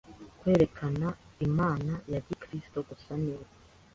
kwerekana Imana ya gikristo gusa ni we